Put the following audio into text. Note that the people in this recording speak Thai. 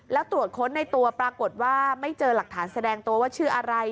แล้วตรวจค้นในตัวปรากฏว่าไม่เจอหลักฐานแสดงตัวว่าชื่ออะไร